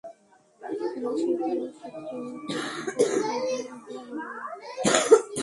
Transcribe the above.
কিন্তু সুবিধা হলো শত্রু এই পথ থেকে তোকে কখনই কল্বনা করবে না।